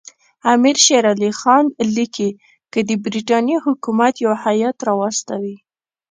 امیر شېر علي خان لیکي که د برټانیې حکومت یو هیات راواستوي.